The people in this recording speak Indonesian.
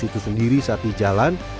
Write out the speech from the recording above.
dalam bus itu sendiri saat di jalan